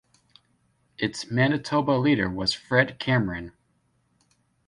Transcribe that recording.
Its Manitoba leader was Fred Cameron.